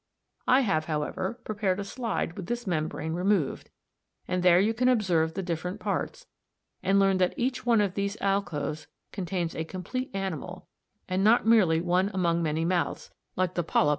I have, however, prepared a slide with this membrane removed (see Fig. 73), and there you can observe the different parts, and learn that each one of these alcoves contains a complete animal, and not merely one among many mouths, like the polyp on the Sertularia.